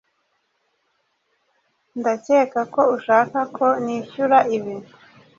Ndakeka ko ushaka ko nishyura ibi.